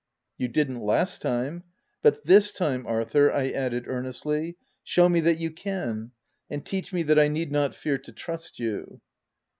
" You didn't last time. — But this time, Ar thur," I added, earnestly, " show me that you can, and teach me that I need not fear to trust you